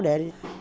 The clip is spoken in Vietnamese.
để đưa ra